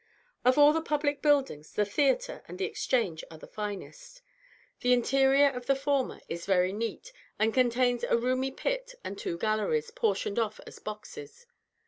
Of all the public buildings, the Theatre and the Exchange are the finest. The interior of the former is very neat, and contains a roomy pit and two galleries, portioned off as boxes.